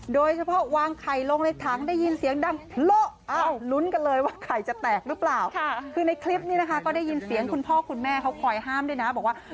โดยเฉพาะวางไข่ลงในตังได้ยินเสียงดำโหลหลุ้นกันเลยว่าไข่จะแตกรึเปล่ากูในคลิปก็ได้ยินเสียงคุณพ่อคุณแม่เขาคอยห้ามด้วยนะ